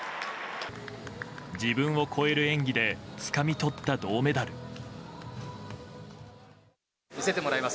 自分を超える演技でつかみ取った銅メダル。